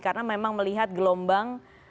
karena memang melihat gelombang